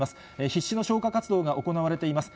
必死の消火活動が行われています。